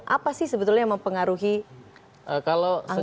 apa sih sebetulnya yang mempengaruhi angka yang ada sekarang